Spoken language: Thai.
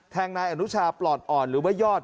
นายอนุชาปลอดอ่อนหรือว่ายอด